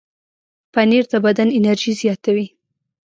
پنېر د بدن انرژي زیاتوي.